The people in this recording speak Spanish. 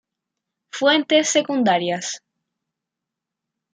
Fuentes secundarias